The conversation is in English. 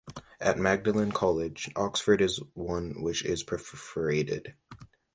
At Magdalen College, Oxford is one which is perforated.